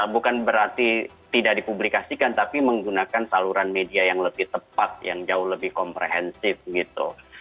bukan berarti tidak dipublikasikan tapi menggunakan saluran media yang lebih tepat yang jauh lebih komprehensif gitu